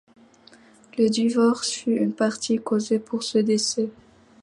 Le divorce fut en partie causé par ce décès.